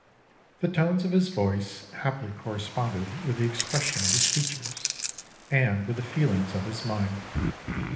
The tones of his voice happily corresponded with the expression of his features, and with the feelings of his mind.